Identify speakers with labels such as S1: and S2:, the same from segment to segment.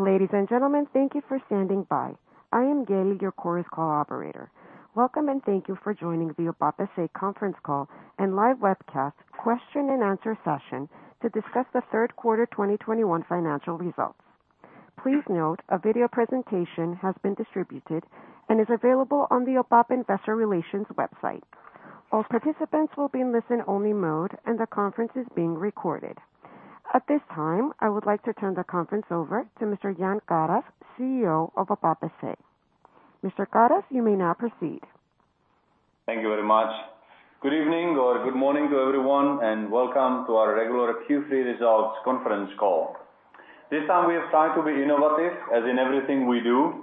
S1: Ladies and gentlemen, thank you for standing by. I am Gail, your Chorus Call operator. Welcome and thank you for joining the OPAP S.A. conference call and live webcast question and answer session to discuss the third quarter 2021 financial results. Please note a video presentation has been distributed and is available on the OPAP investor relations website. All participants will be in listen-only mode and the conference is being recorded. At this time, I would like to turn the conference over to Mr. Jan Karas, CEO of OPAP S.A. Mr. Karas, you may now proceed.
S2: Thank you very much. Good evening or good morning to everyone, and welcome to our regular Q3 results conference call. This time we have tried to be innovative, as in everything we do.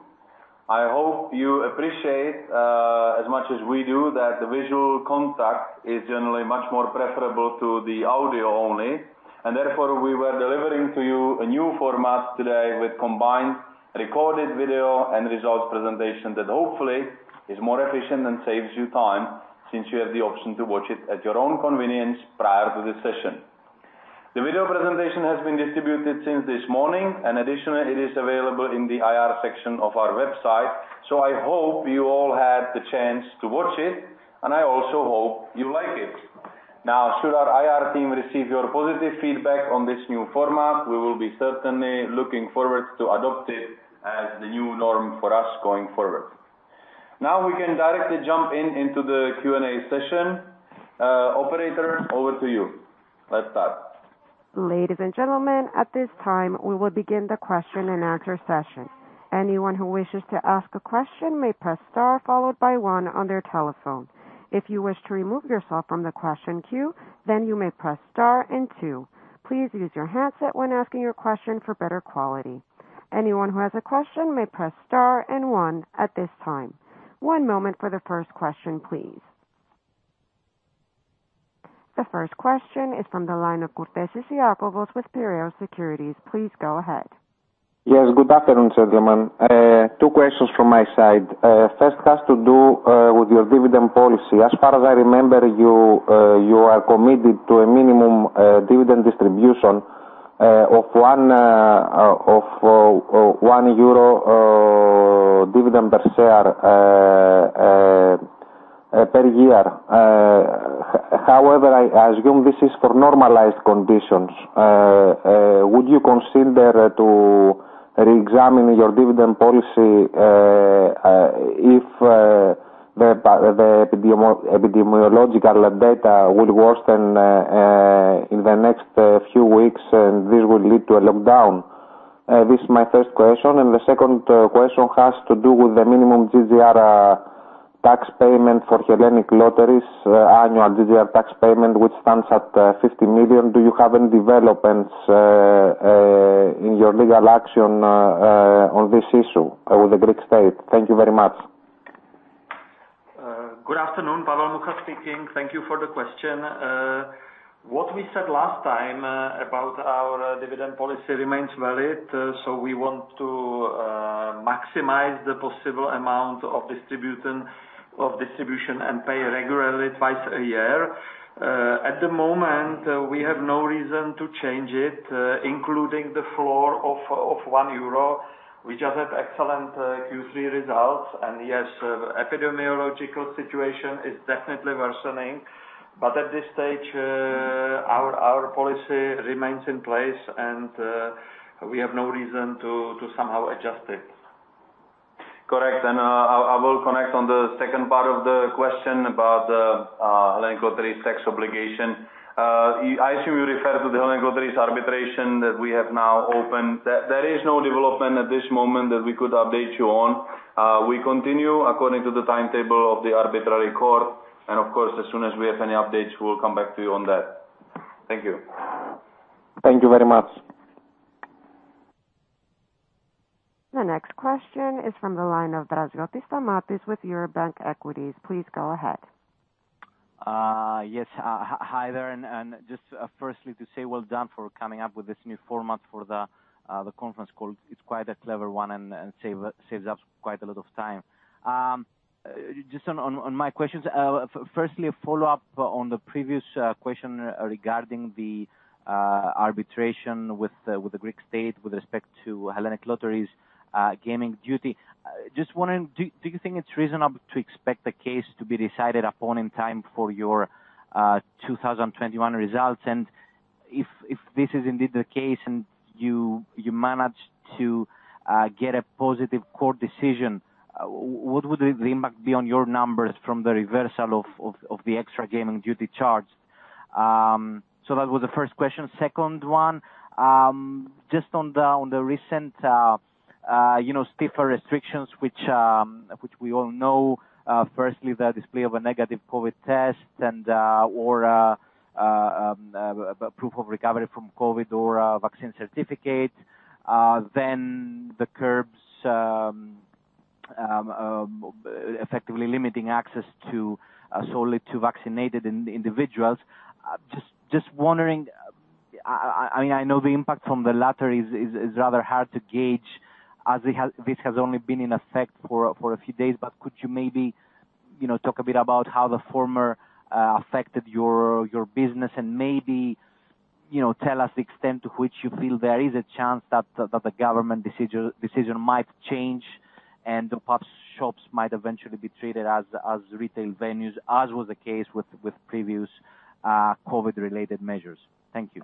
S2: I hope you appreciate as much as we do that the visual contact is generally much more preferable to the audio only, and therefore we were delivering to you a new format today with combined recorded video and results presentation that hopefully is more efficient and saves you time since you have the option to watch it at your own convenience prior to this session. The video presentation has been distributed since this morning, and additionally it is available in the IR section of our website. I hope you all had the chance to watch it, and I also hope you like it. Now, should our IR team receive your positive feedback on this new format, we will be certainly looking forward to adopt it as the new norm for us going forward. Now we can directly jump into the Q&A session. Operator, over to you. Let's start.
S1: Ladies and gentlemen, at this time we will begin the question and answer session. Anyone who wishes to ask a question may press star followed by one on their telephone. If you wish to remove yourself from the question queue, then you may press star and two. Please use your handset when asking your question for better quality. Anyone who has a question may press star and one at this time. One moment for the first question, please. The first question is from the line of Iakovos Kourtesis with Piraeus Securities. Please go ahead.
S3: Yes, good afternoon, gentlemen. Two questions from my side. First has to do with your dividend policy. As far as I remember you are committed to a minimum dividend distribution of 1 euro dividend per share per year. However, I assume this is for normalized conditions. Would you consider to reexamine your dividend policy if the epidemiological data will worsen in the next few weeks, and this will lead to a lockdown? This is my first question. The second question has to do with the minimum GGR tax payment for Hellenic Lotteries, annual GGR tax payment, which stands at 50 million. Do you have any developments in your legal action on this issue with the Greek state? Thank you very much.
S4: Good afternoon. Pavel Mucha speaking. Thank you for the question. What we said last time about our dividend policy remains valid. We want to maximize the possible amount of distribution and pay regularly twice a year. At the moment, we have no reason to change it, including the floor of 1 euro. We just have excellent Q3 results. Yes, epidemiological situation is definitely worsening. At this stage, our policy remains in place and we have no reason to somehow adjust it.
S2: Correct. I will connect on the second part of the question about the Hellenic Lotteries tax obligation. I assume you refer to the Hellenic Lotteries arbitration that we have now opened. There is no development at this moment that we could update you on. We continue according to the timetable of the arbitration court, and of course, as soon as we have any updates we will come back to you on that. Thank you.
S3: Thank you very much.
S1: The next question is from the line of Stamatios Draziotis with Eurobank Equities. Please go ahead.
S5: Yes, hi there, and just firstly to say well done for coming up with this new format for the conference call. It's quite a clever one and saves us quite a lot of time. Just on my questions, firstly a follow-up on the previous question regarding the arbitration with the Greek state with respect to Hellenic Lotteries gaming duty. Just wondering, do you think it's reasonable to expect the case to be decided upon in time for your 2021 results? And if this is indeed the case and you manage to get a positive court decision, what would the impact be on your numbers from the reversal of the extra gaming duty charge? That was the first question. Second one, just on the recent, you know, stiffer restrictions which we all know, firstly the display of a negative COVID test and or a proof of recovery from COVID or a vaccine certificate, then the curbs effectively limiting access solely to vaccinated individuals. Just wondering, I mean, I know the impact from the latter is rather hard to gauge as this has only been in effect for a few days, but could you maybe You know, talk a bit about how the former affected your business and maybe, you know, tell us the extent to which you feel there is a chance that the government decision might change, and the OPAP shops might eventually be treated as retail venues, as was the case with previous COVID-related measures. Thank you.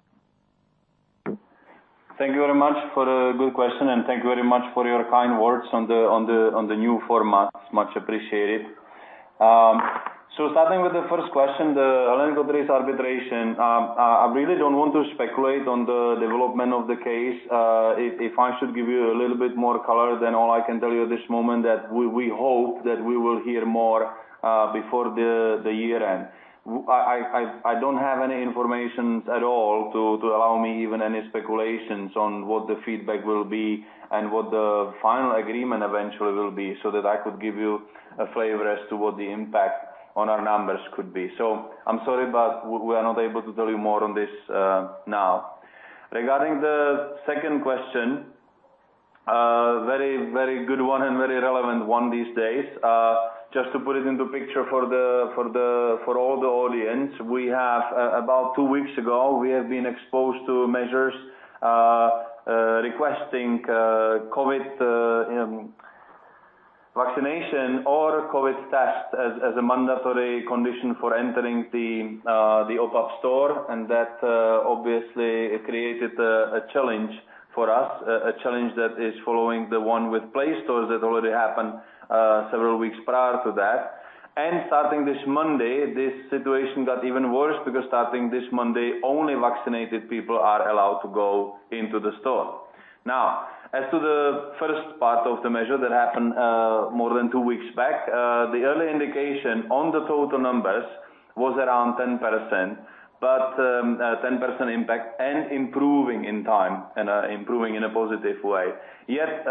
S2: Thank you very much for the good question, and thank you very much for your kind words on the new format. It's much appreciated. Starting with the first question, the Hellenic Lotteries arbitration. I really don't want to speculate on the development of the case. If I should give you a little bit more color, then all I can tell you at this moment that we hope that we will hear more before the year end. I don't have any information at all to allow me even any speculations on what the feedback will be and what the final agreement eventually will be, so that I could give you a flavor as to what the impact on our numbers could be. I'm sorry, but we are not able to tell you more on this now. Regarding the second question, very good one and very relevant one these days. Just to put it into picture for all the audience. We have about two weeks ago been exposed to measures requesting COVID vaccination or COVID test as a mandatory condition for entering the OPAP store. That obviously created a challenge for us, a challenge that is following the one with PLAY stores that already happened several weeks prior to that. Starting this Monday, this situation got even worse because only vaccinated people are allowed to go into the store. Now, as to the first part of the measure that happened more than two weeks back, the early indication on the total numbers was around 10%, but 10% impact and improving in time and improving in a positive way. Yet,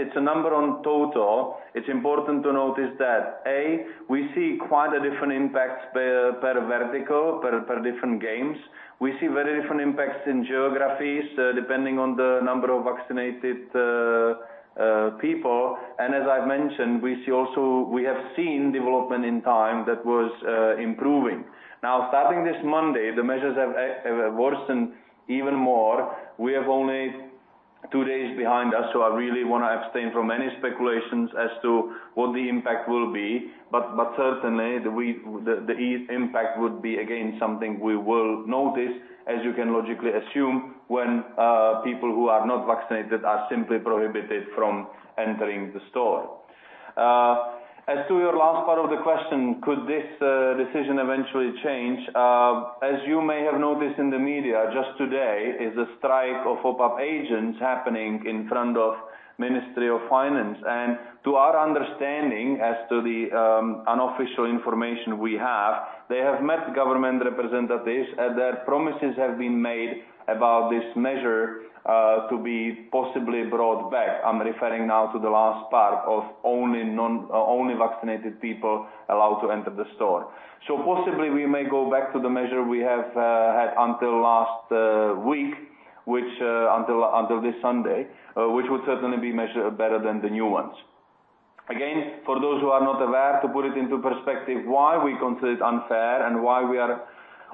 S2: it's a number on total. It's important to notice that, A, we see quite a different impact per vertical, per different games. We see very different impacts in geographies depending on the number of vaccinated people. And as I've mentioned, we have seen development in time that was improving. Now, starting this Monday, the measures have worsened even more. We have only two days behind us, so I really wanna abstain from any speculations as to what the impact will be. Certainly the impact would be again something we will notice, as you can logically assume, when people who are not vaccinated are simply prohibited from entering the store. As to your last part of the question, could this decision eventually change? As you may have noticed in the media, just today is a strike of OPAP agents happening in front of Ministry of Finance. To our understanding as to the unofficial information we have, they have met government representatives, and their promises have been made about this measure to be possibly brought back. I'm referring now to the last part of only vaccinated people allowed to enter the store. Possibly we may go back to the measure we have had until last week, which until this Sunday, which would certainly be much better than the new ones. Again, for those who are not aware, to put it into perspective, why we consider it unfair and why we are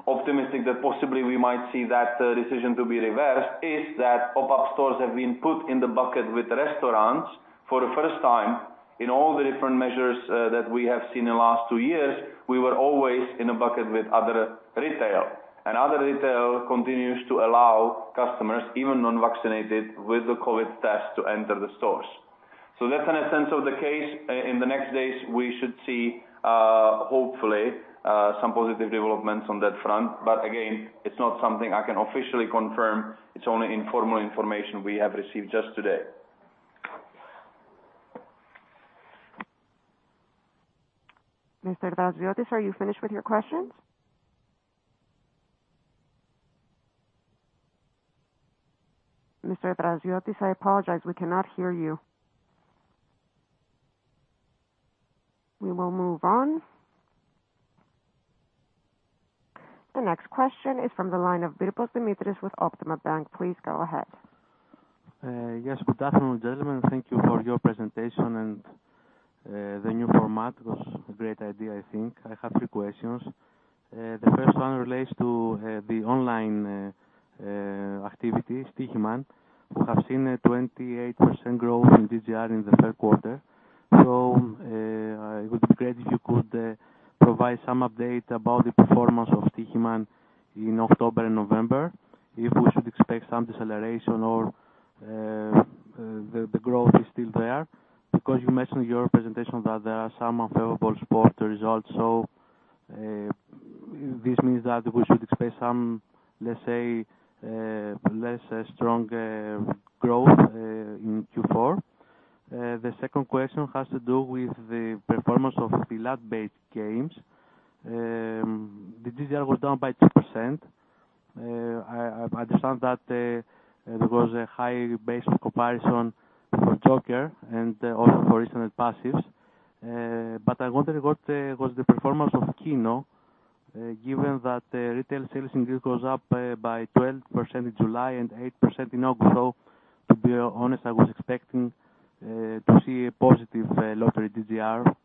S2: optimistic that possibly we might see that decision to be reversed, is that OPAP stores have been put in the bucket with restaurants for the first time. In all the different measures that we have seen in the last two years, we were always in a bucket with other retail, and other retail continues to allow customers, even non-vaccinated, with the COVID test to enter the stores. In a sense, that's the case. In the next days, we should see hopefully some positive developments on that front. Again, it's not something I can officially confirm. It's only informal information we have received just today.
S1: Mr. Draziotis, are you finished with your questions? Mr. Draziotis, I apologize. We cannot hear you. We will move on. The next question is from the line of Dimitris Birbos with Optima Bank. Please go ahead.
S6: Yes. Good afternoon, gentlemen. Thank you for your presentation and, the new format was a great idea, I think. I have three questions. The first one relates to the online activity, Stoiximan, who have seen a 28% growth in GGR in the third quarter. It would be great if you could provide some update about the performance of Stoiximan in October and November, if we should expect some deceleration or the growth is still there. Because you mentioned in your presentation that there are some unfavorable sports results. This means that we should expect some, let's say, less strong growth in Q4. The second question has to do with the performance of the lot-based games. The GGR was down by 2%. I understand that there was a high base of comparison for JOKER and also for Instant & Passives. I wonder what was the performance of KINO, given that the retail sales in Greece goes up by 12% in July and 8% in August. To be honest, I was expecting to see a positive lottery GGR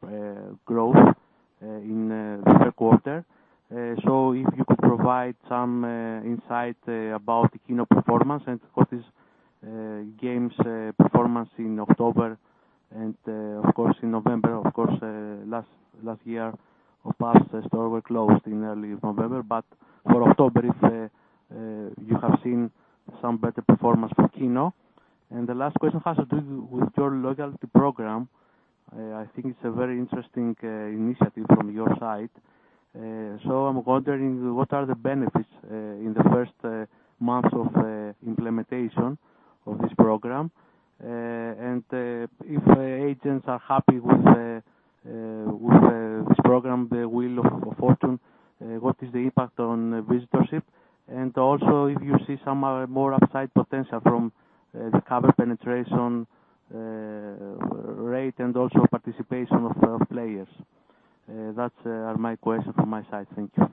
S6: growth in third quarter. If you could provide some insight about the KINO performance and what is games performance in October and of course in November, of course, last year OPAP's stores were closed in early November. For October, if you have seen some better performance for KINO. The last question has to do with your loyalty program. I think it's a very interesting initiative from your side. I'm wondering what are the benefits in the first months of implementation of this program. If agents are happy with this program, the Wheel of Fortune, what is the impact on visitorship? Also if you see some more upside potential from the customer penetration rate and also participation of players. That's my question from my side. Thank you.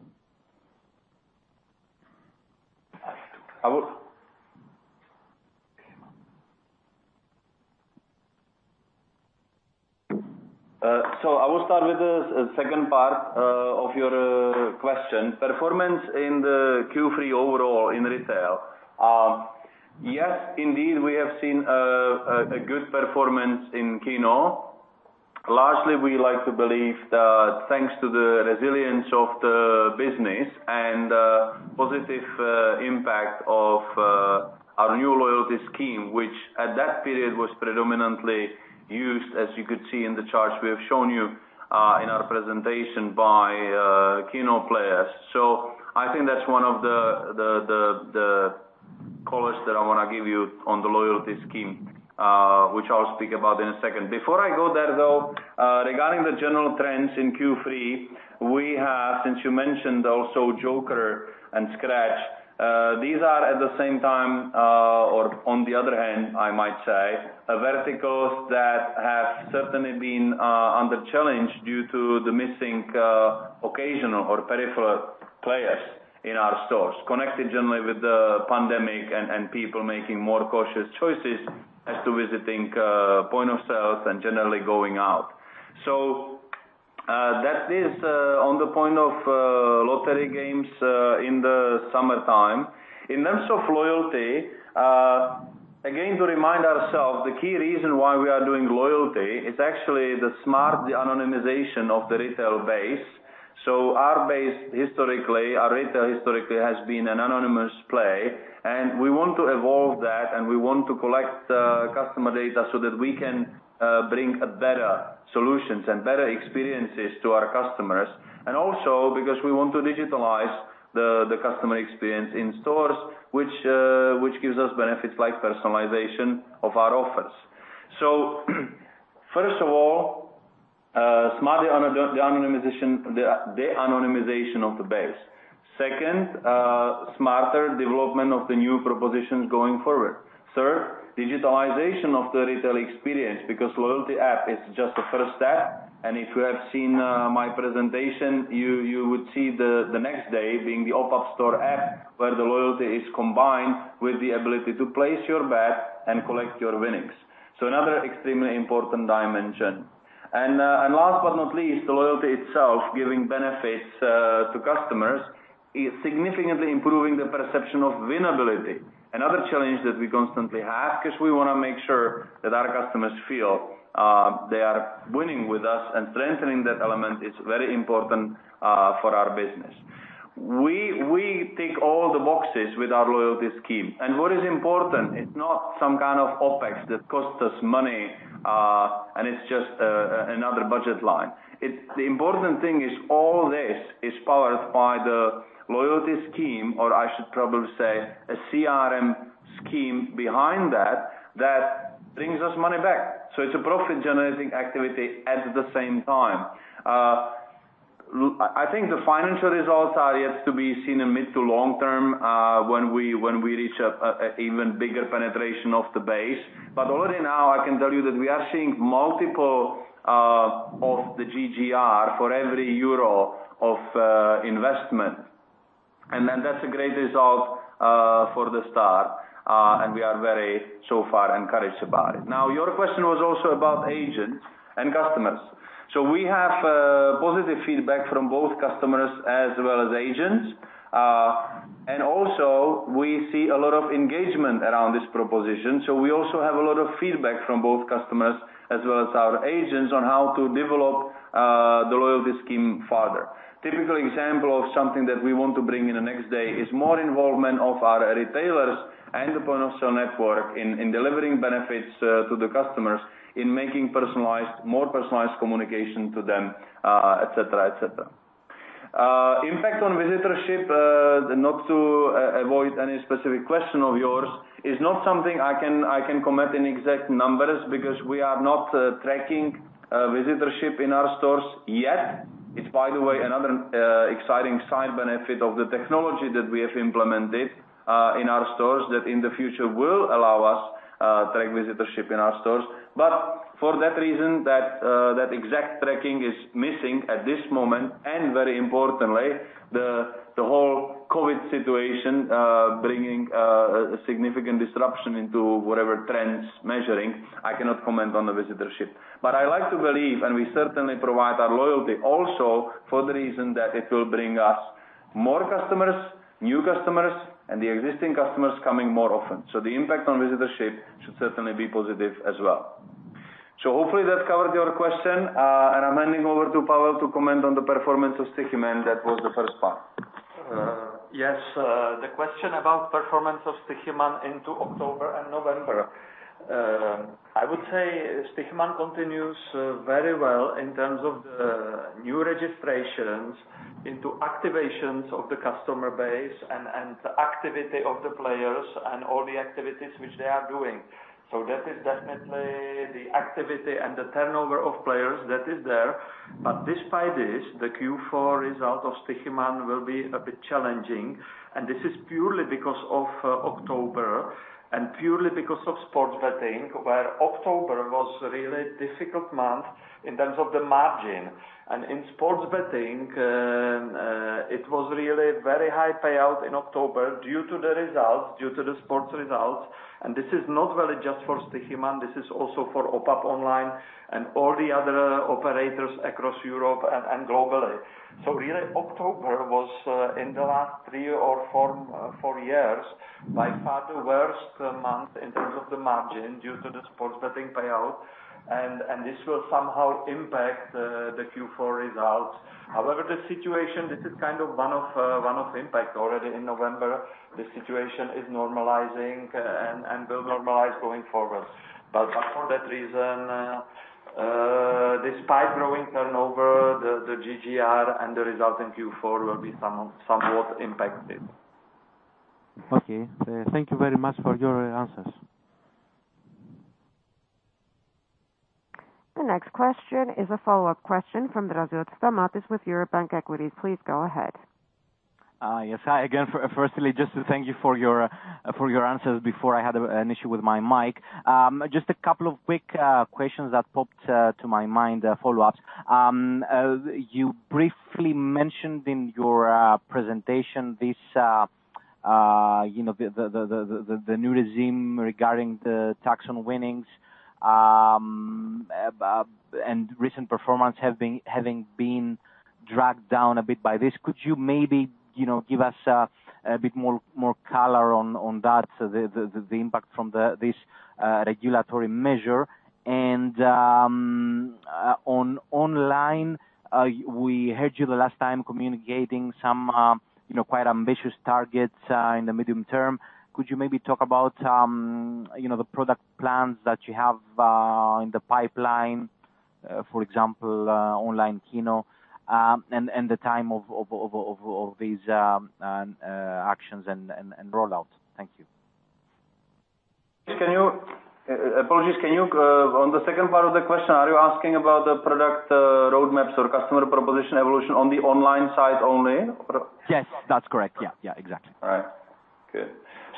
S2: I will start with the second part of your question. Performance in the Q3 overall in retail. Yes, indeed, we have seen a good performance in KINO. Largely, we like to believe that thanks to the resilience of the business and positive impact of our new loyalty scheme, which at that period was predominantly used, as you could see in the charts we have shown you in our presentation by KINO players. I think that's one of the colors that I wanna give you on the loyalty scheme, which I'll speak about in a second. Before I go there, though, regarding the general trends in Q3, we have since you mentioned also JOKER and scratch, these are at the same time, or on the other hand I might say, verticals that have certainly been under challenge due to the missing, occasional or peripheral players in our stores. Connected generally with the pandemic and people making more cautious choices as to visiting, point of sales and generally going out. That is on the point of lottery games in the summertime. In terms of loyalty, again, to remind ourselves, the key reason why we are doing loyalty is actually the smart de-anonymization of the retail base. Our base historically, our retail historically has been an anonymous play, and we want to evolve that, and we want to collect the customer data so that we can bring a better solutions and better experiences to our customers. And also because we want to digitalize the customer experience in stores which gives us benefits like personalization of our offers. First of all, smart de-anonymization of the base. Second, smarter development of the new propositions going forward. Third, digitalization of the retail experience because loyalty app is just the first step. And if you have seen my presentation, you would see the next day being the OPAP Store app, where the loyalty is combined with the ability to place your bet and collect your winnings. Another extremely important dimension. Last but not least, the loyalty itself giving benefits to customers is significantly improving the perception of winnability. Another challenge that we constantly have, because we wanna make sure that our customers feel they are winning with us and strengthening that element is very important for our business. We tick all the boxes with our loyalty scheme. What is important, it's not some kind of OpEx that costs us money and it's just another budget line. It's the important thing is all this is powered by the loyalty scheme, or I should probably say a CRM scheme behind that brings us money back. It's a profit-generating activity at the same time. I think the financial results are yet to be seen in mid- to long-term, when we reach an even bigger penetration of the base. Already now I can tell you that we are seeing multiples of the GGR for every euro of investment. That's a great result for the start, and we are very encouraged so far about it. Now, your question was also about agents and customers. We have positive feedback from both customers as well as agents. We also see a lot of engagement around this proposition. We also have a lot of feedback from both customers as well as our agents on how to develop the loyalty scheme further. Typical example of something that we want to bring in the next day is more involvement of our retailers and the point of sale network in delivering benefits to the customers, in making personalized, more personalized communication to them, et cetera, et cetera. Impact on visitorship, not to avoid any specific question of yours, is not something I can comment in exact numbers because we are not tracking visitorship in our stores yet. It's by the way, another exciting side benefit of the technology that we have implemented in our stores that in the future will allow us track visitorship in our stores. For that reason, exact tracking is missing at this moment, and very importantly, the whole COVID situation bringing a significant disruption into whatever trends measuring, I cannot comment on the visitorship. I like to believe, and we certainly provide our loyalty also for the reason that it will bring us more customers, new customers, and the existing customers coming more often. The impact on visitorship should certainly be positive as well. Hopefully that covered your question. I'm handing over to Pavel to comment on the performance of Stoiximan, and that was the first part.
S4: Yes. The question about performance of Stoiximan into October and November. I would say Stoiximan continues very well in terms of the new registrations into activations of the customer base and the activity of the players and all the activities which they are doing. That is definitely the activity and the turnover of players that is there. Despite this, the Q4 result of Stoiximan will be a bit challenging, and this is purely because of October and purely because of sports betting, where October was a really difficult month in terms of the margin. In sports betting, it was really very high payout in October due to the results, due to the sports results. This is not really just for Stoiximan, this is also for OPAP online and all the other operators across Europe and globally. Really October was in the last three or four years by far the worst month in terms of the margin due to the sports betting payout and this will somehow impact the Q4 results. However, the situation is kind of one-off impact already in November. The situation is normalizing and will normalize going forward. For that reason, despite growing turnover, the GGR and the result in Q4 will be somewhat impacted.
S6: Okay. Thank you very much for your answers.
S1: The next question is a follow-up question from Stamatios Draziotis with Eurobank Equities. Please go ahead.
S5: Yes. Hi again. Firstly, just to thank you for your answers before I had an issue with my mic. Just a couple of quick questions that popped to my mind, follow-ups. You briefly mentioned in your presentation this, you know, the new regime regarding the tax on winnings, and recent performance has been dragged down a bit by this. Could you maybe, you know, give us a bit more color on that, so the impact from this regulatory measure? On online, we heard you the last time communicating some, you know, quite ambitious targets in the medium term. Could you maybe talk about, you know, the product plans that you have in the pipeline, for example, online KINO, and the time of actions and roll-outs? Thank you.
S2: Apologies. Can you, on the second part of the question, are you asking about the product, roadmaps or customer proposition evolution on the online side only? Or-
S5: Yes, that's correct. Yeah. Yeah, exactly.
S2: All right. Good.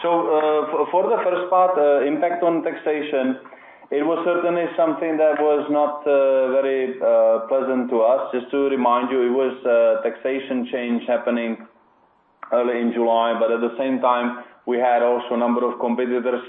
S2: For the first part, impact on taxation, it was certainly something that was not very pleasant to us. Just to remind you, it was a taxation change happening early in July, but at the same time, we had also a number of competitors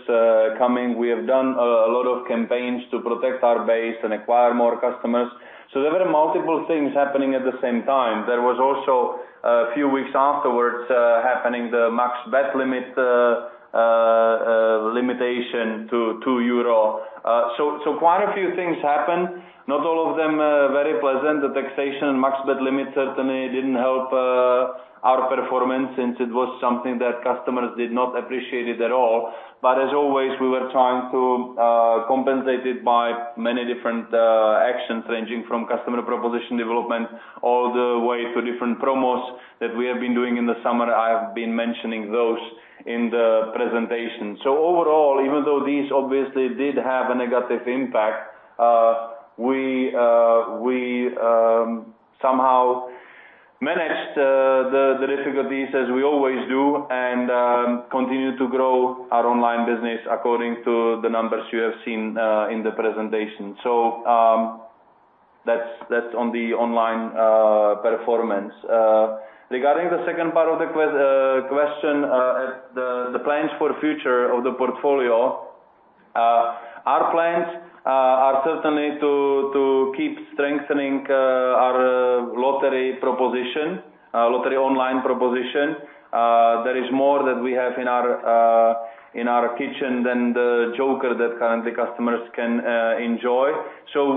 S2: coming. We have done a lot of campaigns to protect our base and acquire more customers. There were multiple things happening at the same time. There was also a few weeks afterwards happening the max bet limit limitation to 2 euro. Quite a few things happened, not all of them very pleasant. The taxation max bet limit certainly didn't help our performance since it was something that customers did not appreciate it at all. As always, we were trying to compensate it by many different actions ranging from customer proposition development all the way to different promos that we have been doing in the summer. I have been mentioning those in the presentation. Overall, even though these obviously did have a negative impact, we somehow managed the difficulties as we always do and continue to grow our online business according to the numbers you have seen in the presentation. That's on the online performance. Regarding the second part of the question, the plans for the future of the portfolio, our plans are certainly to keep strengthening our lottery proposition, lottery online proposition. There is more that we have in our kitchen than the JOKER that currently customers can enjoy.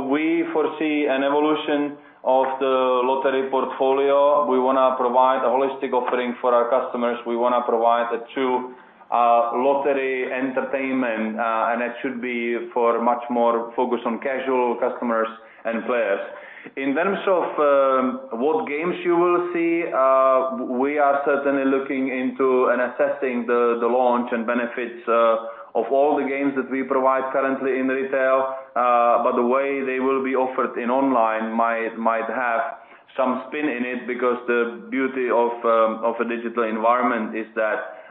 S2: We foresee an evolution of the lottery portfolio. We wanna provide a holistic offering for our customers. We wanna provide a true lottery entertainment, and it should be for much more focus on casual customers and players. In terms of what games you will see, we are certainly looking into and assessing the launch and benefits of all the games that we provide currently in retail. The way they will be offered in online might have some spin in it, because the beauty of a digital environment is that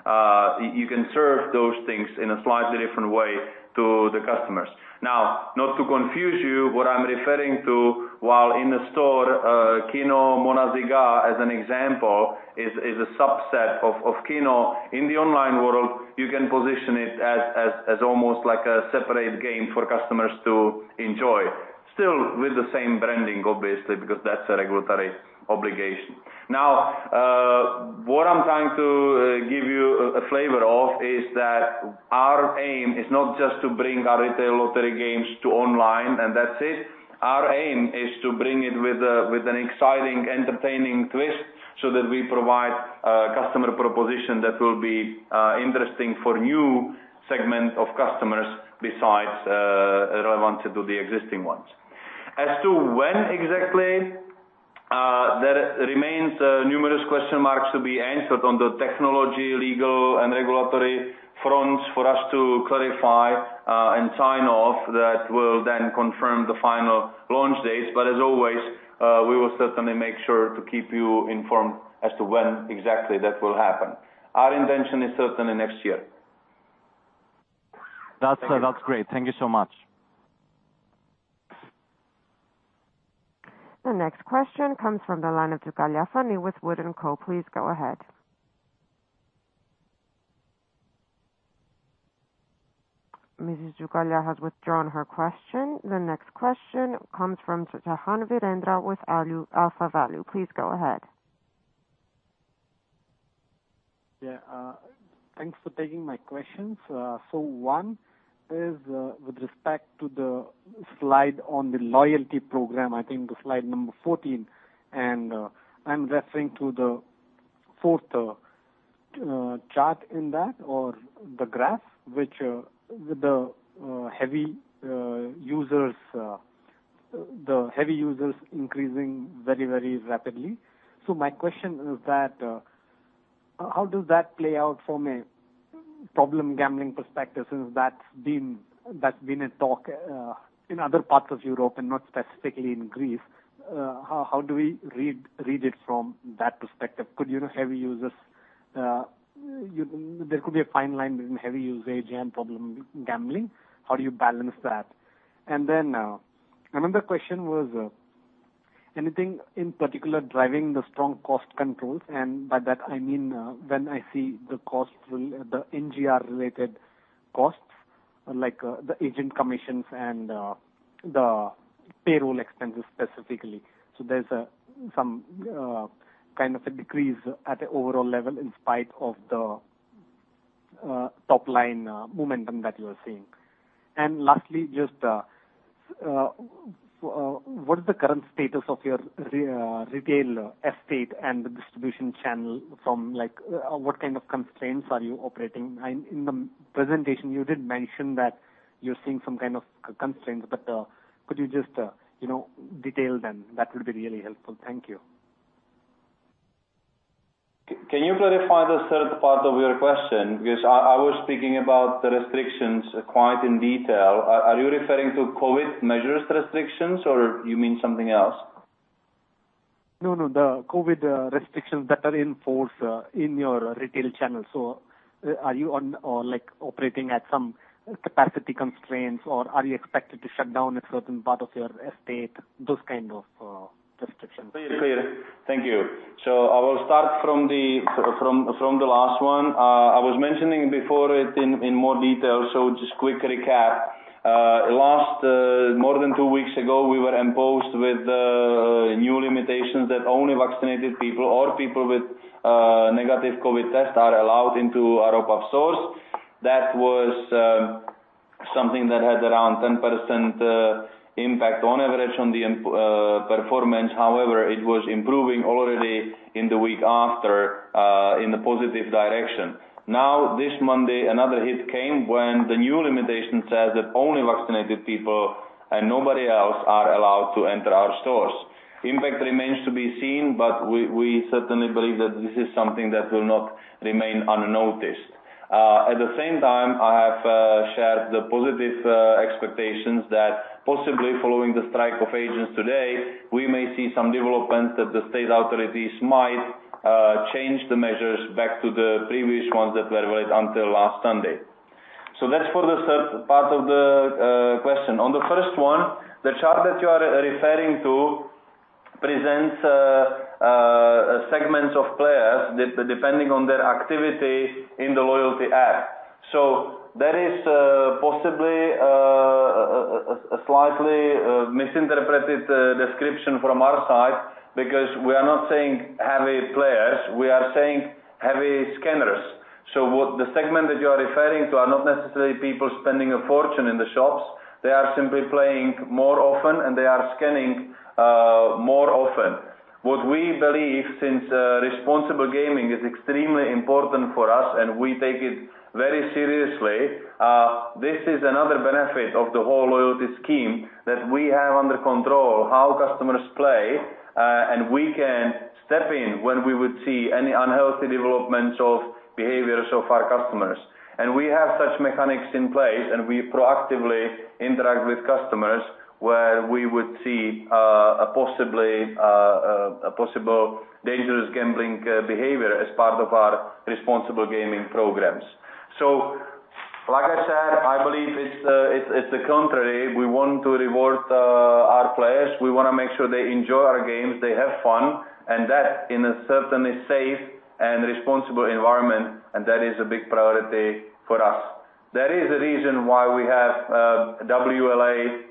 S2: you can serve those things in a slightly different way to the customers. Now, not to confuse you, what I'm referring to while in the store, KINO BONUS, as an example, is a subset of KINO. In the online world, you can position it as almost like a separate game for customers to enjoy. Still with the same branding, obviously, because that's a regulatory obligation. Now, what I'm trying to give you a flavor of is that our aim is not just to bring our retail lottery games to online, and that's it. Our aim is to bring it with an exciting, entertaining twist, so that we provide a customer proposition that will be interesting for new segment of customers besides relevant to the existing ones. As to when exactly, there remains numerous question marks to be answered on the technology, legal and regulatory fronts for us to clarify, and sign off. That will then confirm the final launch dates, but as always, we will certainly make sure to keep you informed as to when exactly that will happen. Our intention is certainly next year.
S5: That's great. Thank you so much.
S1: The next question comes from the line of Fani Tzioukalia with Wood & Co. Please go ahead. Mrs. Tzioukalia has withdrawn her question. The next question comes from Virendra Chauhan with AlphaValue. Please go ahead.
S7: Yeah. Thanks for taking my questions. One is with respect to the slide on the loyalty program, I think the slide number 14, and I'm referring to the fourth chart in that or the graph, which with the heavy users increasing very, very rapidly. My question is that how does that play out from a problem gambling perspective, since that's been a talk in other parts of Europe and not specifically in Greece? How do we read it from that perspective? Could you know heavy users you know there could be a fine line between heavy usage and problem gambling. How do you balance that? Another question was anything in particular driving the strong cost controls? By that I mean, when I see the costs, well, the NGR-related costs, like, the agent commissions and, the payroll expenses specifically. There's some kind of a decrease at the overall level in spite of the top line momentum that you are seeing. Lastly, just, what is the current status of your retail estate and the distribution channel from like, what kind of constraints are you operating? In the presentation you did mention that you're seeing some kind of constraints, but, could you just, you know, detail them? That would be really helpful. Thank you.
S2: Can you clarify the third part of your question? Because I was speaking about the restrictions quite in detail. Are you referring to COVID measures restrictions, or you mean something else?
S7: No, the COVID restrictions that are in force in your retail channels. Are you on or like operating at some capacity constraints, or are you expected to shut down a certain part of your estate? Those kind of restrictions.
S2: Clear. Thank you. I will start from the last one. I was mentioning before it in more detail. Just quick recap. Last more than two weeks ago, we were imposed with new limitations that only vaccinated people or people with negative COVID tests are allowed into our OPAP stores. That was something that had around 10% impact on average on the performance. However, it was improving already in the week after in the positive direction. Now, this Monday, another hit came when the new limitation says that only vaccinated people and nobody else are allowed to enter our stores. Impact remains to be seen, but we certainly believe that this is something that will not remain unnoticed. At the same time, I have shared the positive expectations that possibly following the strike of agents today, we may see some developments that the state authorities might change the measures back to the previous ones that were valid until last Sunday. That's for the third part of the question. On the first one, the chart that you are referring to presents segments of players depending on their activity in the loyalty app. There is possibly a slightly misinterpreted description from our side, because we are not saying heavy players, we are saying heavy scanners. The segment that you are referring to are not necessarily people spending a fortune in the shops. They are simply playing more often, and they are scanning more often. What we believe, since responsible gaming is extremely important for us, and we take it very seriously, this is another benefit of the whole loyalty scheme that we have under control how customers play, and we can step in when we would see any unhealthy developments of behavior of our customers. We have such mechanics in place, and we proactively interact with customers where we would see a possible dangerous gambling behavior as part of our responsible gaming programs. Like I said, I believe it's the contrary. We want to reward our players. We wanna make sure they enjoy our games, they have fun, and that in a certainly safe and responsible environment, and that is a big priority for us. That is the reason why we have WLA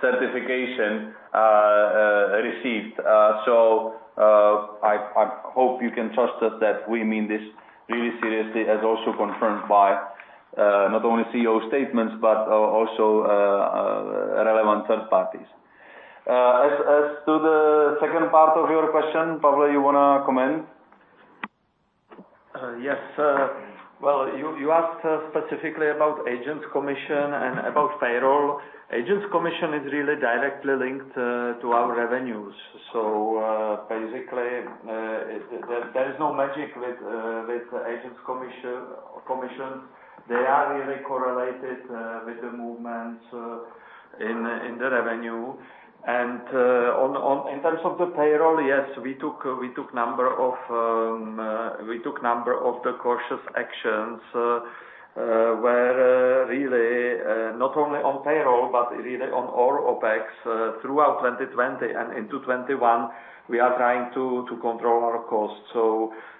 S2: certification received. I hope you can trust us that we mean this really seriously, as also confirmed by not only CEO statements, but also relevant third parties. As to the second part of your question, Pavel, you wanna comment?
S4: Yes. Well, you asked specifically about agents commission and about payroll. Agents commission is really directly linked to our revenues. Basically, there's no magic with agents commission. They are really correlated with the movements in the revenue. In terms of the payroll, yes, we took a number of cautious actions where really not only on payroll, but really on all OPEX throughout 2020 and into 2021, we are trying to control our costs.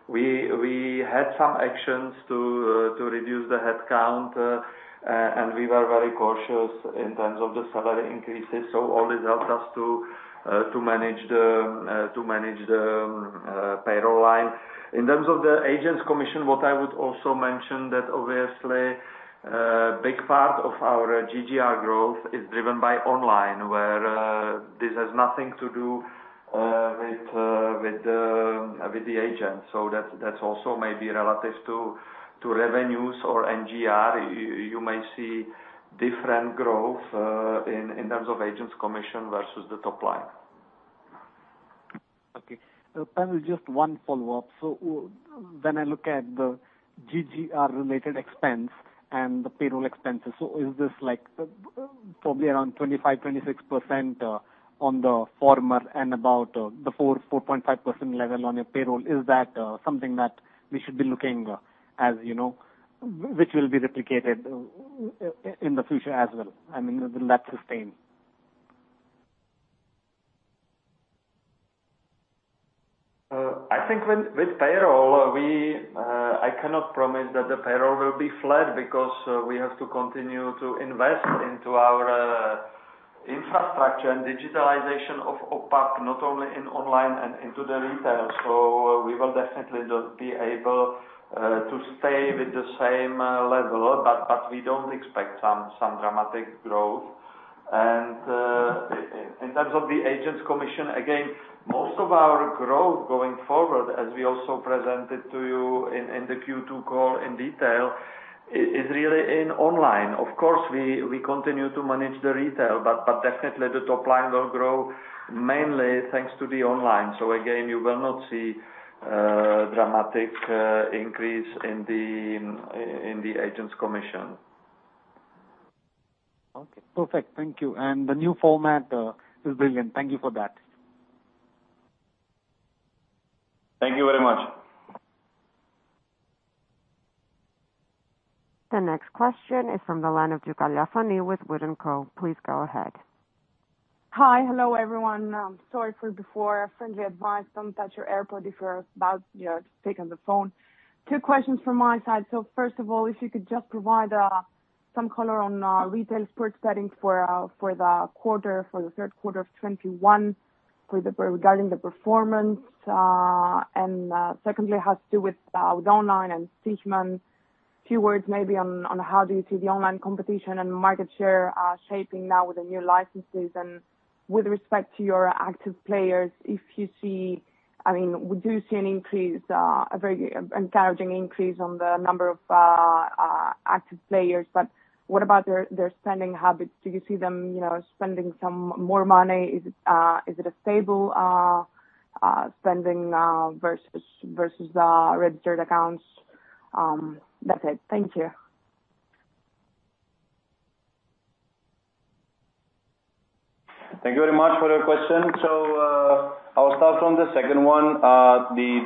S4: We had some actions to reduce the headcount and we were very cautious in terms of the salary increases, so all this helps us to manage the payroll line. In terms of the agents commission, what I would also mention that obviously, big part of our GGR growth is driven by online, where this has nothing to do with the agents. That's also maybe relative to revenues or NGR. You might see different growth in terms of agents commission versus the top line.
S7: Okay. Pavel, just one follow-up. When I look at the GGR related expense and the payroll expenses, is this like probably around 25-26% on the former and about the 4-4.5% level on your payroll? Is that something that we should be looking at, you know, which will be replicated in the future as well? I mean, will that sustain?
S4: I think with payroll, I cannot promise that the payroll will be flat because we have to continue to invest into our infrastructure and digitalization of OPAP, not only in online and into the retail. We will definitely not be able to stay with the same level, but we don't expect some dramatic growth. In terms of the agents commission, again, most of our growth going forward, as we also presented to you in the Q2 call in detail, is really in online. Of course, we continue to manage the retail, but definitely the top line will grow mainly thanks to the online. Again, you will not see dramatic increase in the agents commission.
S7: Okay. Perfect. Thank you. The new format is brilliant. Thank you for that.
S2: Thank you very much.
S1: The next question is from the line of Fani Tzioukalia with Wood & Co. Please go ahead.
S8: Hi. Hello, everyone. Sorry for before. Friendly advice, don't touch your AirPods if you're about, you know, to speak on the phone. 2 questions from my side. First of all, if you could just provide some color on retail sports betting for the quarter, for the third quarter of 2021 regarding the performance. Secondly has to do with online and Stoiximan. Few words maybe on how do you see the online competition and market share shaping now with the new licenses and with respect to your active players, if you see. I mean, we do see an increase, a very encouraging increase on the number of active players, but what about their spending habits? Do you see them, you know, spending some more money? Is it a stable spending versus registered accounts? That's it. Thank you.
S2: Thank you very much for your question. I'll start from the second one.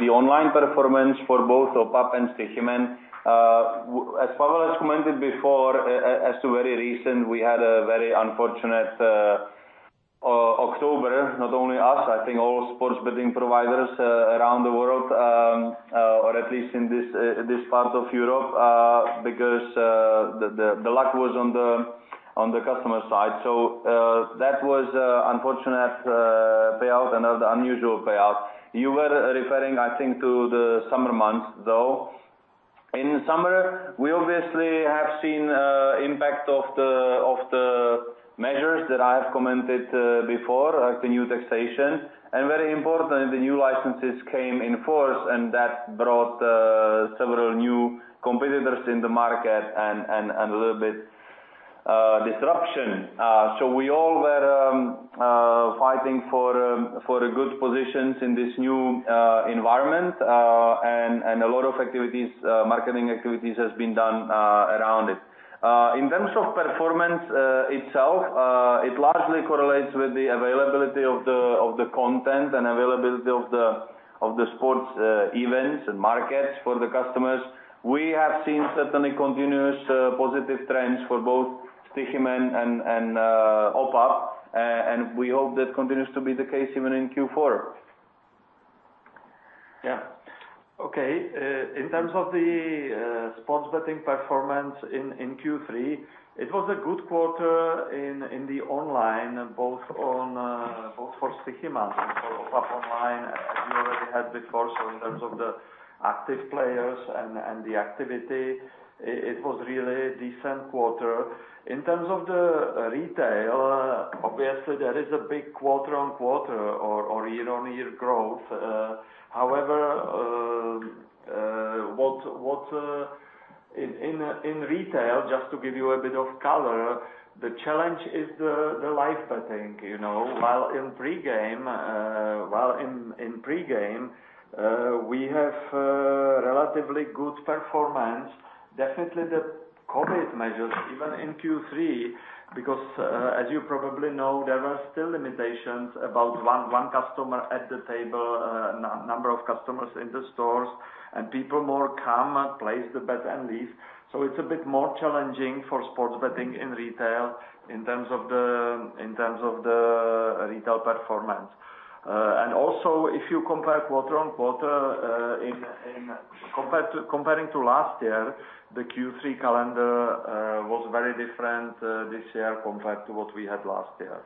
S2: The online performance for both OPAP and Stoiximan, as Pavel has commented before, as to very recent, we had a very unfortunate October, not only us, I think all sports betting providers around the world, or at least in this part of Europe, because the luck was on the customer side. That was unfortunate payout and an unusual payout. You were referring, I think, to the summer months, though. In summer, we obviously have seen impact of the measures that I have commented before, like the new taxation. Very important, the new licenses came in force, and that brought several new competitors in the market and a little bit disruption. We all were fighting for a good positions in this new environment. A lot of activities, marketing activities has been done around it. In terms of performance itself, it largely correlates with the availability of the content and availability of the sports events and markets for the customers. We have seen certainly continuous positive trends for both Sazka and OPAP. We hope that continues to be the case even in Q4.
S4: Yeah. Okay. In terms of the sports betting performance in Q3, it was a good quarter in the online, both for Sazka and for OPAP online as we already had before. In terms of the active players and the activity, it was really a decent quarter. In terms of the retail, obviously there is a big quarter-on-quarter or year-on-year growth. In retail, just to give you a bit of color, the challenge is the live betting, you know. While in pre-game, we have relatively good performance. Definitely the COVID measures even in Q3, because, as you probably know, there were still limitations about one customer at the table, number of customers in the stores, and people more come and place the bet and leave. It's a bit more challenging for sports betting in retail in terms of the retail performance. Also if you compare quarter-over-quarter, comparing to last year, the Q3 calendar was very different this year compared to what we had last year.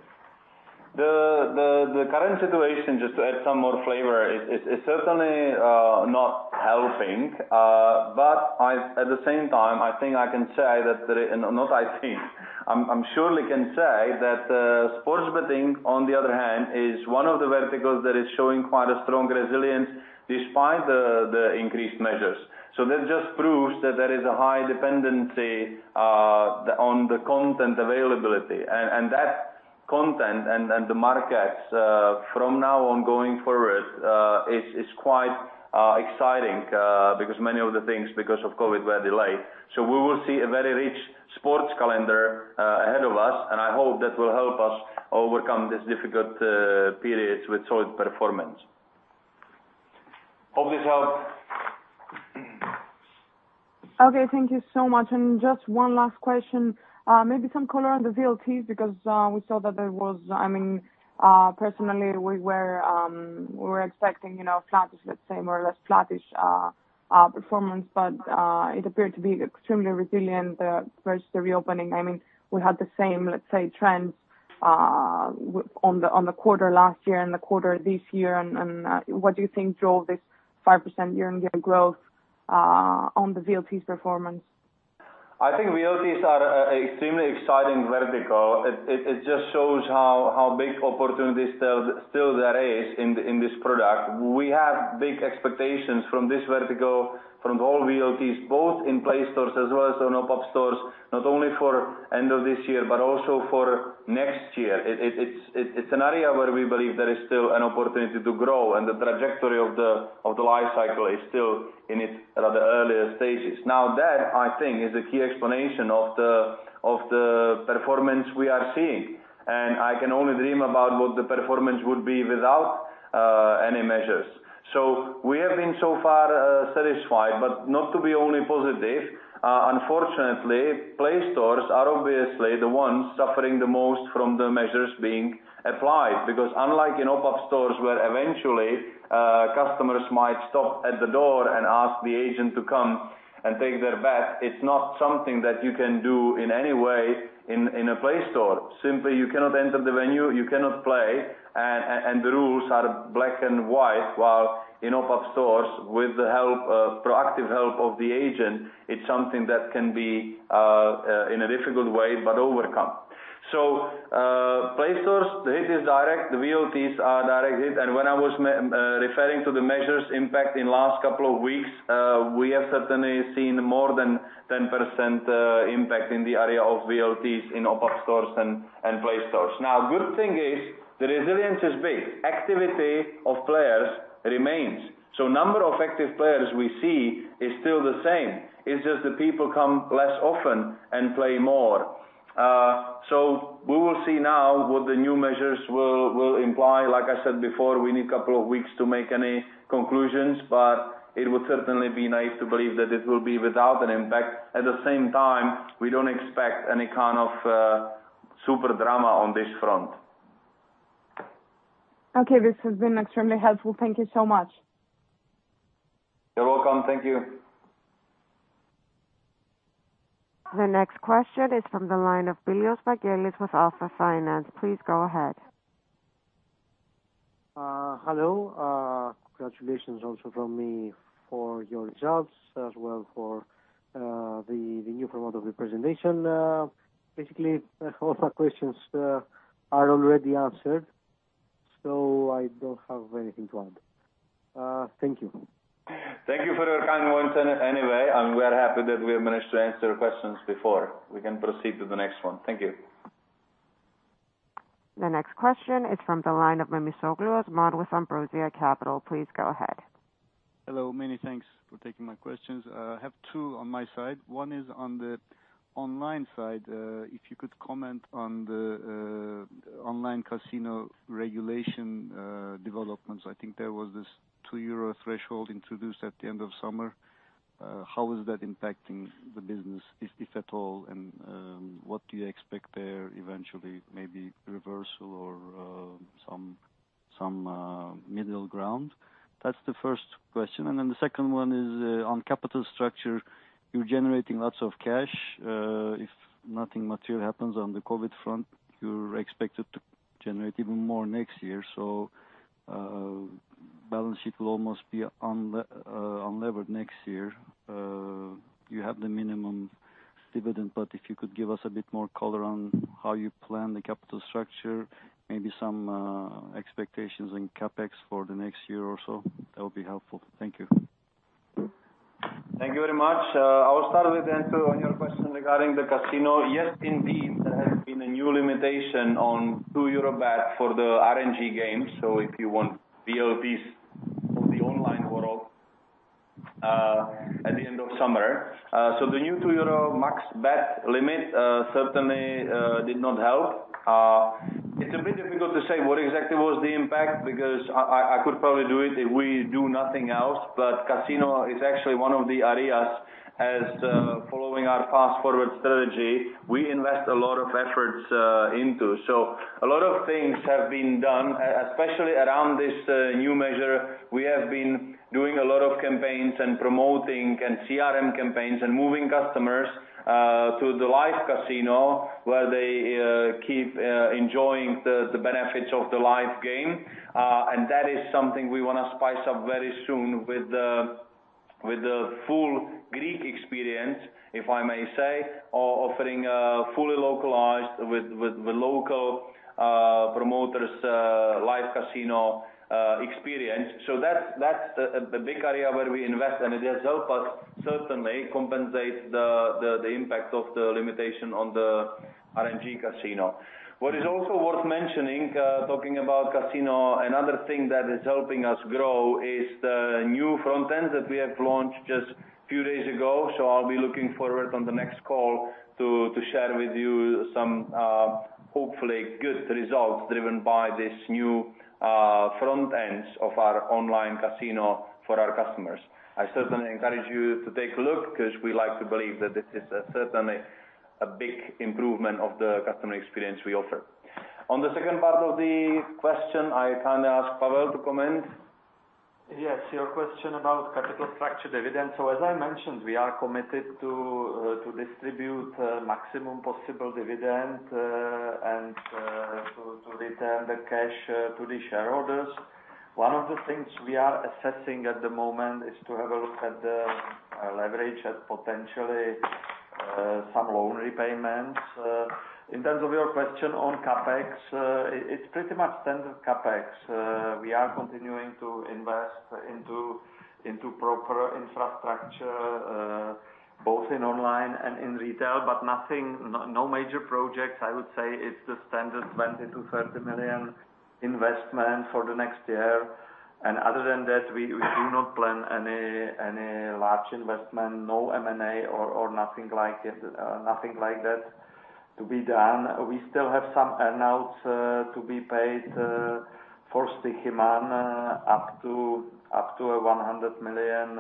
S2: The current situation, just to add some more flavor, it certainly not helping. At the same time, I surely can say that sports betting on the other hand is one of the verticals that is showing quite a strong resilience despite the increased measures. That just proves that there is a high dependency on the content availability. That content and the markets from now on going forward is quite exciting because many of the things because of COVID were delayed. We will see a very rich sports calendar ahead of us, and I hope that will help us overcome this difficult period with solid performance. Hope this helped.
S8: Okay, thank you so much. Just one last question. Maybe some color on the VLTs because, I mean, personally we were expecting, you know, flattish, let's say more or less flattish performance. But it appeared to be extremely resilient post the reopening. I mean, we had the same, let's say, trends on the quarter last year and the quarter this year. What do you think drove this 5% year-on-year growth on the VLTs performance?
S2: I think VLTs are extremely exciting vertical. It just shows how big opportunities still there is in this product. We have big expectations from this vertical, from all VLTs, both in PLAY stores as well as in OPAP stores, not only for end of this year, but also for next year. It's an area where we believe there is still an opportunity to grow and the trajectory of the life cycle is still in it at the earlier stages. Now that I think is a key explanation of the performance we are seeing, and I can only dream about what the performance would be without any measures. We have been so far satisfied, but not to be only positive. Unfortunately, PLAY stores are obviously the ones suffering the most from the measures being applied, because unlike in OPAP stores where eventually, customers might stop at the door and ask the agent to come and take their bet, it's not something that you can do in any way in a PLAY store. Simply you cannot enter the venue, you cannot play and the rules are black and white. While in OPAP stores with the help, proactive help of the agent, it's something that can be in a difficult way, but overcome. PLAY stores, the hit is direct, the VLTs are direct hit. When I was referring to the measures impact in last couple of weeks, we have certainly seen more than 10% impact in the area of VLTs in OPAP stores and PLAY stores. Now, good thing is the resilience is big. Activity of players remains. Number of active players we see is still the same. It's just the people come less often and play more. So we will see now what the new measures will imply, like I said before. We need a couple of weeks to make any conclusions, but it would certainly be nice to believe that it will be without an impact. At the same time, we don't expect any kind of super drama on this front.
S8: Okay. This has been extremely helpful. Thank you so much.
S2: You're welcome. Thank you.
S1: The next question is from the line of Vaggelis Billios with Alpha Finance. Please go ahead.
S9: Hello. Congratulations also from me for your results, as well for the new format of the presentation. Basically all the questions are already answered, so I don't have anything to add. Thank you.
S2: Thank you for your kind words anyway, and we are happy that we have managed to answer your questions before. We can proceed to the next one. Thank you.
S1: The next question is from the line of Mimis Oglou from Ambrosia Capital. Please go ahead.
S10: Hello. Many thanks for taking my questions. I have two on my side. One is on the online side. If you could comment on the online casino regulation developments. I think there was this 2 euro threshold introduced at the end of summer. How is that impacting the business, if at all? And what do you expect there eventually, maybe reversal or some middle ground? That's the first question. And then the second one is on capital structure. You're generating lots of cash. If nothing material happens on the COVID front, you're expected to generate even more next year. So balance sheet will almost be unlevered next year. You have the minimum dividend, but if you could give us a bit more color on how you plan the capital structure, maybe some expectations in CapEx for the next year or so, that would be helpful. Thank you.
S2: Thank you very much. I will start with Anton, your question regarding the casino. Yes, indeed, there has been a new limitation on 2 euro bet for the RNG games. If you want VLTs for the online world at the end of summer. The new 2 euro max bet limit certainly did not help. It's a bit difficult to say what exactly was the impact, because I could probably do it if we do nothing else. Casino is actually one of the areas as, following our Fast Forward strategy, we invest a lot of efforts into. A lot of things have been done, especially around this new measure. We have been doing a lot of campaigns and promoting and CRM campaigns and moving customers to the live casino where they keep enjoying the benefits of the live game. That is something we wanna spice up very soon with the full Greek experience, if I may say, offering a fully localized with local promoters live casino experience. That's a big area where we invest, and it has helped us certainly compensate the impact of the limitation on the RNG casino. What is also worth mentioning, talking about casino, another thing that is helping us grow is the new front end that we have launched just few days ago. I'll be looking forward on the next call to share with you some hopefully good results driven by this new front ends of our online casino for our customers. I certainly encourage you to take a look 'cause we like to believe that this is certainly a big improvement of the customer experience we offer. On the second part of the question, I can ask Pavel to comment.
S4: Yes, your question about capital structure dividend. As I mentioned, we are committed to distribute maximum possible dividend, and to return the cash to the shareholders. One of the things we are assessing at the moment is to have a look at the leverage and potentially some loan repayments. In terms of your question on CapEx, it's pretty much standard CapEx. We are continuing to invest into proper infrastructure both in online and in retail, but nothing, no major projects. I would say it's the standard 20 million-30 million investment for the next year. Other than that, we do not plan any large investment. No M&A or nothing like it, nothing like that to be done. We still have some earn-outs to be paid for Stoiximan up to EUR 100 million.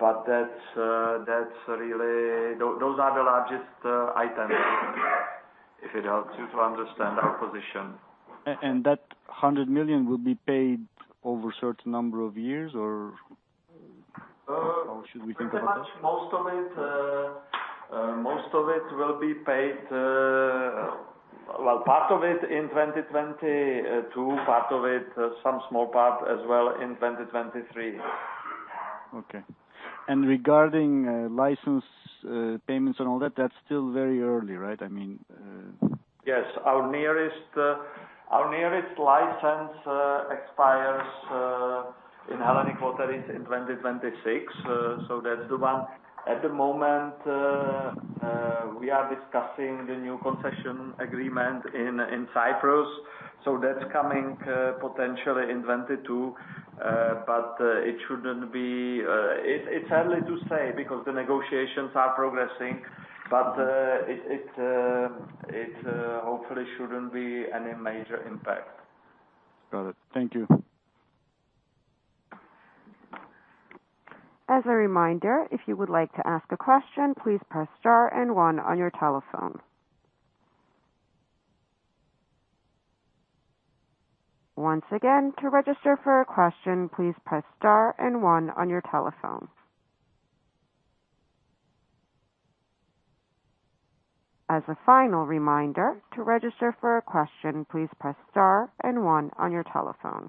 S4: That's really those are the largest items if it helps you to understand our position.
S10: That 100 million will be paid over a certain number of years or how should we think about that?
S4: Pretty much most of it will be paid, well, part of it in 2022, part of it, some small part as well in 2023.
S10: Okay. Regarding license payments and all that's still very early, right? I mean,
S4: Yes. Our nearest license expires in Hellenic Lotteries in 2026. That's the one. At the moment, we are discussing the new concession agreement in Cyprus. That's coming potentially in 2022. But it shouldn't be. It's hard to say because the negotiations are progressing, but hopefully it shouldn't be any major impact.
S10: Got it. Thank you.
S1: As a reminder, if you would like to ask a question, please press star and one on your telephone. Once again, to register for a question, please press star and one on your telephone. As a final reminder, to register for a question, please press star and one on your telephone.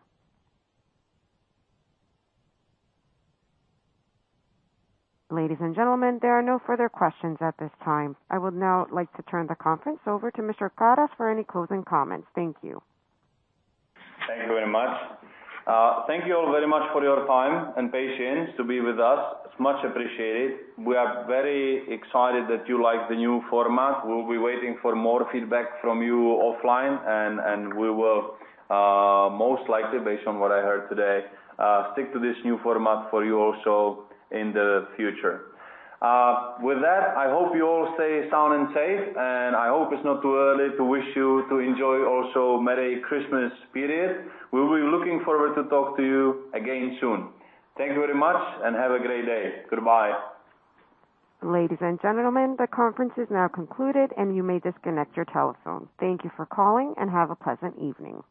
S1: Ladies and gentlemen, there are no further questions at this time. I would now like to turn the conference over to Mr. Karas for any closing comments. Thank you.
S2: Thank you very much. Thank you all very much for your time and patience to be with us. It's much appreciated. We are very excited that you like the new format. We'll be waiting for more feedback from you offline, and we will most likely, based on what I heard today, stick to this new format for you also in the future. With that, I hope you all stay sound and safe, and I hope it's not too early to wish you to enjoy also merry Christmas period. We'll be looking forward to talk to you again soon. Thank you very much and have a great day. Goodbye.
S1: Ladies and gentlemen, the conference is now concluded and you may disconnect your telephones. Thank you for calling and have a pleasant evening.